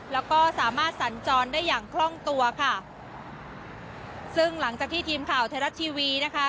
แล้วก็สามารถสัญจรได้อย่างคล่องตัวค่ะซึ่งหลังจากที่ทีมข่าวไทยรัฐทีวีนะคะ